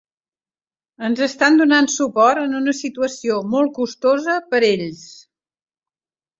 Ens estan donant suport en una situació molt costosa per ells.